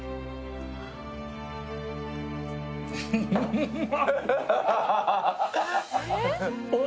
うんまい！